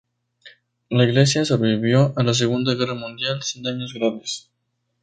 La iglesia sobrevivió a la Segunda Guerra Mundial sin daños graves.